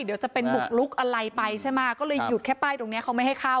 เดี๋ยวจะเป็นบุกลุกอะไรไปใช่ไหมก็เลยหยุดแค่ป้ายตรงเนี้ยเขาไม่ให้เข้า